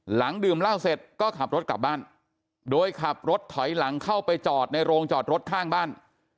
ดื่มเหล้าเสร็จก็ขับรถกลับบ้านโดยขับรถถอยหลังเข้าไปจอดในโรงจอดรถข้างบ้าน